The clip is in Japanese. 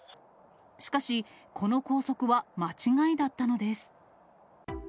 しかし、この拘束は間違いだったのです。